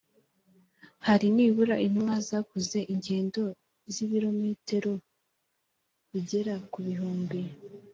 hari nibura intumwa zakoze ingendo z ibirometero bigera ku bihumbi